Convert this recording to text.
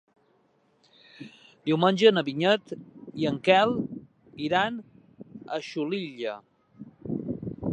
Diumenge na Vinyet i en Quel iran a Xulilla.